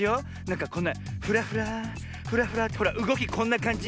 なんかこんなフラフラフラフラってほらうごきこんなかんじ。